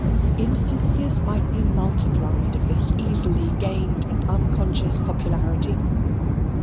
Instances might be multiplied of this easily gained and unconscious popularity.